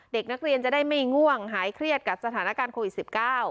เด็กนักเรียนจะได้ไม่ง่วงหายเครียดกับสถานการณ์โควิด๑๙